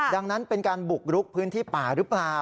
ดังนั้นเป็นการบุกรุกพื้นที่ป่าหรือเปล่า